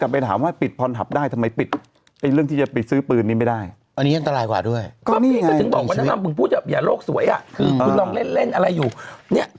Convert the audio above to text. เป็นหาซื้อง่าย